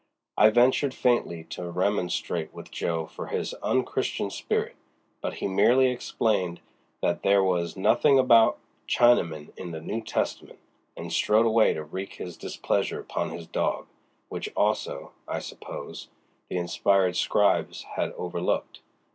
I ventured faintly to remonstrate with Jo. for his unchristian spirit, but he merely explained that there was nothing about Chinamen in the New Testament, and strode away to wreak his displeasure upon his dog, which also, I suppose, the inspired scribes had overlooked.